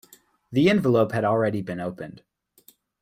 The envelope had already been opened.